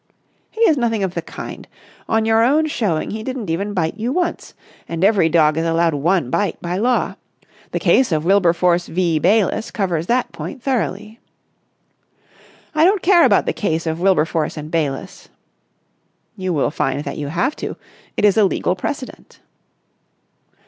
"He is nothing of the kind. On your own showing he didn't even bite you once. And every dog is allowed one bite by law. The case of Wilberforce v. Bayliss covers that point thoroughly." "I don't care about the case of Wilberforce and Bayliss...." "You will find that you have to. It is a legal precedent."